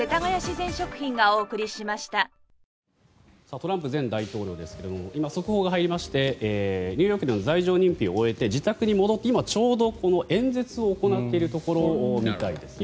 トランプ前大統領ですが今、速報が入りましてニューヨークでの罪状認否を終えて自宅に戻って、今ちょうど演説を行っているところみたいです。